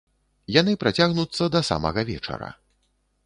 Яны працягнуцца да самага вечара.